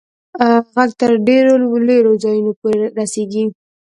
ږغ تر ډېرو لیري ځایونو پوري رسیږي.